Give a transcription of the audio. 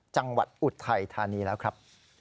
จังหวัดอุทธัยทานีแล้วครับ